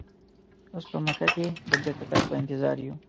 اوس په مکه کې د بیرته تګ په انتظار یو.